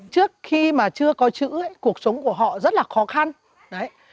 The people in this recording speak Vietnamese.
trước khi mà chưa có chữ ấy cuộc sống của họ rất là khó khăn đấy